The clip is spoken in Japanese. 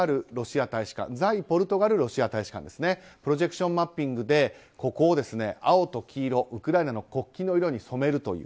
ポルトガルにあるロシア大使館プロジェクションマッピングでここを青と黄色ウクライナの国旗の色に染める。